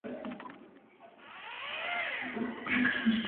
საკუთარი პორტრეტის გარდა მას ჰქონდა ვინსენტ ვან გოგის კიდევ ერთი ნამუშევარი.